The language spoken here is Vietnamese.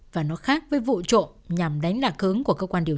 và nó khác với vụ trộm nhằm đánh lạc hướng của các quan trọng